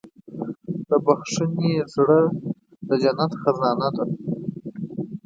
د بښنې زړه د جنت خزانه ده.